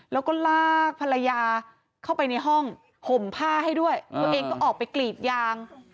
แล้วก็ลากภรรยาเข้าไปในห้องห่มผ้าให้ด้วยตัวเองก็ออกไปกรีดยาง